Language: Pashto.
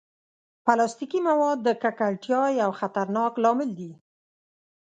پلاستيکي مواد د ککړتیا یو خطرناک لامل دي.